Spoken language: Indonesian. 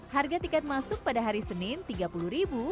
harga tiket masuk pada hari senin rp tiga puluh